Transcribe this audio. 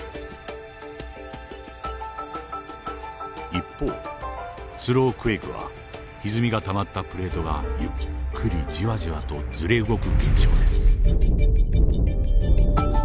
一方スロークエイクはひずみがたまったプレートがゆっくりじわじわとずれ動く現象です。